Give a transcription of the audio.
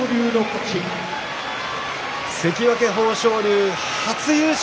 関脇・豊昇龍、初優勝。